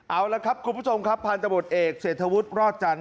เอาละครับคุณผู้ชมครับพันธุ์จำบุตรเอกเสธวุฒิรอจรรย์